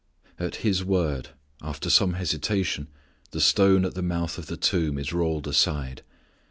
At His word, after some hesitation, the stone at the mouth of the tomb is rolled aside.